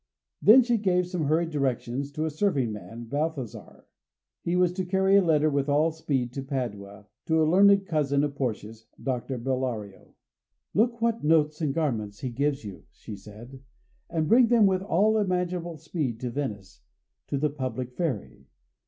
Then she gave some hurried directions to a serving man Balthasar; he was to carry a letter with all speed to Padua, to a learned cousin of Portia's Doctor Bellario. "Look what notes and garments he gives you," she said, "and bring them with all imaginable speed to Venice, to the public ferry.